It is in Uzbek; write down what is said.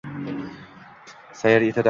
sayr etadi har kuni oqshom.